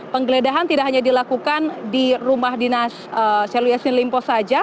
penggeledahan tidak hanya dilakukan di rumah dinas syahrul yassin limpo saja